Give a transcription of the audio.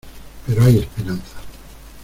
pero hay esperanza.